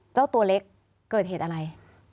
เจ้าตัวเล็กเกิดเหตุอะไร